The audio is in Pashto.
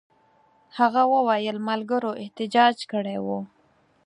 هغه وویل ملګرو احتجاج کړی وو.